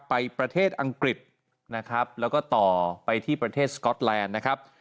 ประเทศอังกฤษนะครับแล้วก็ต่อไปที่ประเทศสก๊อตแลนด์นะครับ